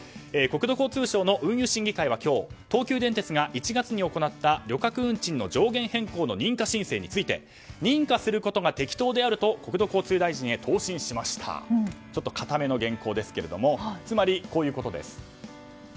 国土交通省の運輸審議会は今日東急電鉄が１月に行った旅客運賃の上限変更の認可申請について認可することが適当であると国土交通大臣へ答申しましたと堅めですがつまり、こういうことです。